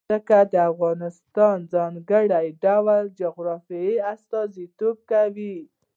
ځمکه د افغانستان د ځانګړي ډول جغرافیه استازیتوب کوي.